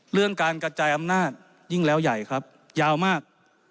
เรื่องการกระจายอำนาจยิ่งแล้วใหญ่ครับยาวมาก